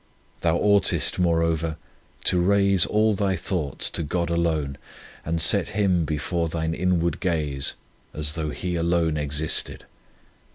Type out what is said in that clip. Thou oughtest, moreover, to raise all thy thoughts to God alone, and set Him before thine inward gaze, as though He alone existed.